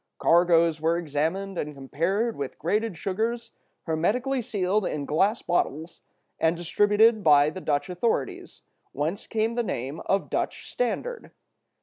Cargoes were examined and compared with graded sugars hermetically sealed in glass bottles and distributed by the Dutch authorities, whence came the name of "Dutch standard."